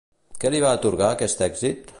Què li va atorgar aquest èxit?